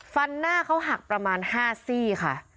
หน้าเขาหักประมาณ๕ซี่ค่ะ